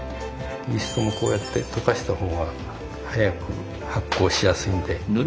イーストもこうやって溶かした方が早く発酵しやすいんで。